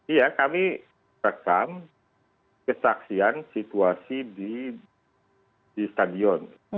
iya kami rekam kesaksian situasi di stadion